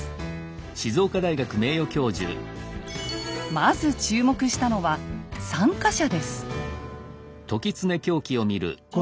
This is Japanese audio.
まず注目したのは参加者です。